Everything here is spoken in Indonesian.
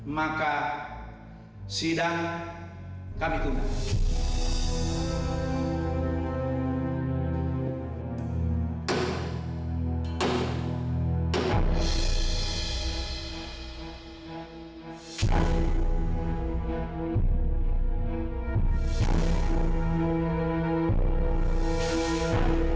maka sidang kami tunda